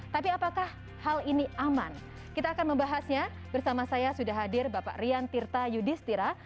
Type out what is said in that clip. tapi apakah hal ini aman kita akan membahasnya bersama saya sudah hadir bapak rian tirta yudhistira